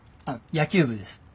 あっ野球部です。